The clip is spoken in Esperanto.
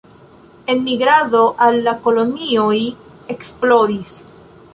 Enmigrado al la kolonioj eksplodis.